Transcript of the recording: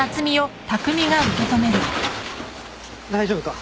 大丈夫か？